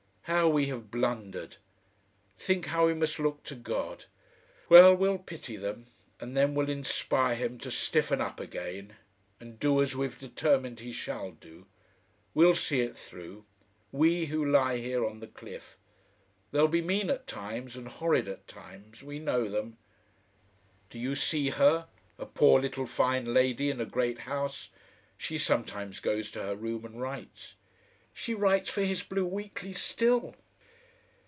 How we have blundered! Think how we must look to God! Well, we'll pity them, and then we'll inspire him to stiffen up again and do as we've determined he shall do. We'll see it through, we who lie here on the cliff. They'll be mean at times, and horrid at times; we know them! Do you see her, a poor little fine lady in a great house, she sometimes goes to her room and writes." "She writes for his BLUE WEEKLY still."